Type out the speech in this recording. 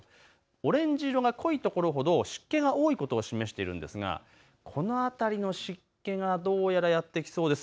オレンジ色が濃い所ほど湿気が多いことを示しているんですがこの辺りの湿気がどうやらやって来そうです。